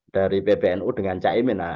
dari pbnu dengan chad imin